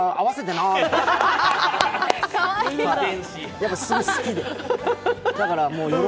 やっぱ、すごい好きで。